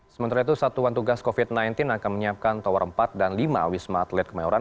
sementara itu satuan tugas covid sembilan belas akan menyiapkan tower empat dan lima wisma atlet kemayoran